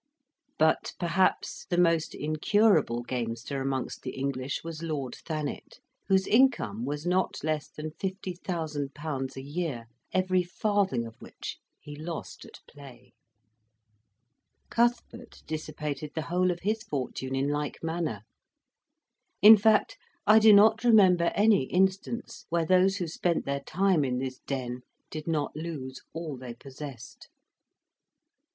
But, perhaps, the most incurable gamester amongst the English was Lord Thanet, whose income was not less than 50,000£. a year, every farthing of which he lost at play. Cuthbert dissipated the whole of his fortune in like manner. In fact, I do not remember any instance where those who spent their time in this den did not lose all they possessed.